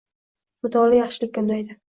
Mutolaa yaxshilikka undaydi.